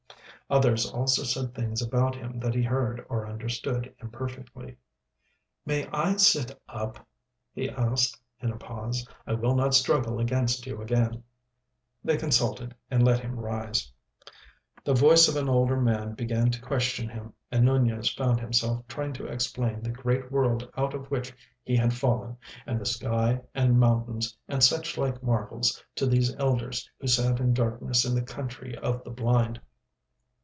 Others also said things about him that he heard or understood imperfectly. "May I sit up?" he asked, in a pause. "I will not struggle against you again." They consulted and let him rise. The voice of an older man began to question him, and Nunez found himself trying to explain the great world out of which he had fallen, and the sky and mountains and such like marvels, to these elders who sat in darkness in the Country of the Blind.